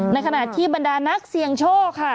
ในขณะที่บรรดานักเสี่ยงโชคค่ะ